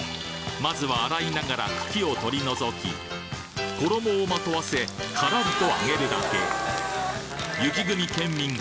まずは洗いながら茎を取りのぞき衣をまとわせカラリと揚げるだけ雪国ケンミン